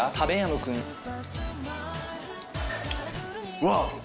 うわっ！